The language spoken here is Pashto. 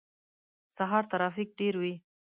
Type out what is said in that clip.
سهار ترافیک ډیر وی